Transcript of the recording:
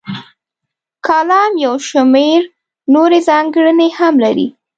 کالم یو شمیر نورې ځانګړنې هم لري.